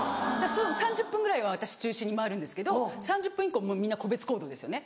３０分ぐらいは私中心に回るんですけど３０分以降もうみんな個別行動ですよね。